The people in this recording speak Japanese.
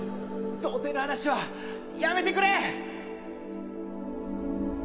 童貞の話はやめてくれ！